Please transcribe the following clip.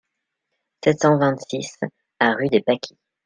sept cent vingt-six A rue des Pâquis